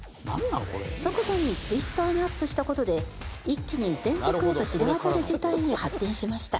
即座にツイッターにアップした事で一気に全国へと知れ渡る事態に発展しました。